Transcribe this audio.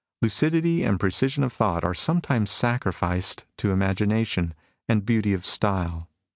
Lucidity and precision of thought are sometimes sacrificed to imagination and beauty of style.